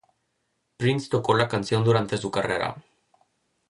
Prince tocó la canción durante su carrera.